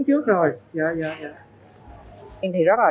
con uống trước rồi